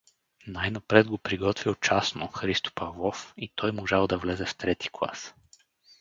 Най-напред го приготвил частно Христо Павлов и той можал да влезе в трети клас.